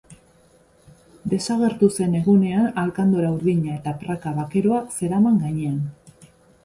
Desagertu zen egunean alkandora urdina eta praka bakeroa zeraman gainean.